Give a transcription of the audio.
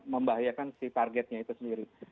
membahayakan si targetnya itu sendiri